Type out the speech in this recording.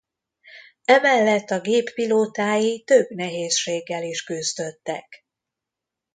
Emellett a gép pilótái több nehézséggel is küzdöttek.